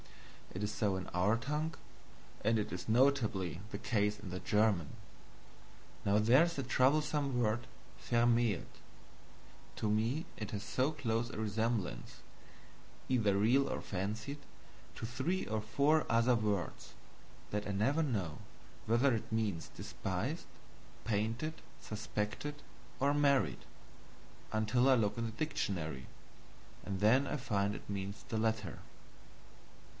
It is so in our tongue, and it is notably the case in the German. Now there is that troublesome word VERMÄHLT: to me it has so close a resemblance either real or fancied to three or four other words, that I never know whether it means despised, painted, suspected, or married; until I look in the dictionary, and then I find it means the latter.